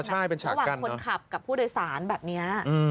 ระหว่างคนขับกับผู้โดยสารแบบนี้